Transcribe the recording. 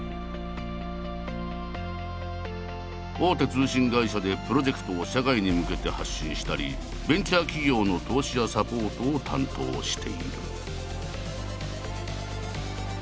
大手通信会社でプロジェクトを社外に向けて発信したりベンチャー企業の投資やサポートを担当している。